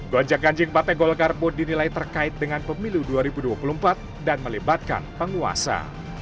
gonjang ganjing partai golkar pun dinilai terkait dengan pemilu dua ribu dua puluh empat dan melibatkan penguasa